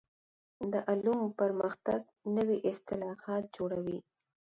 د علومو پرمختګ نوي اصطلاحات جوړوي.